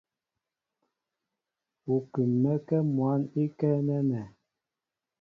U kúm̀mɛ́kɛ́ mwǎn ikɛ́ nɛ́nɛ.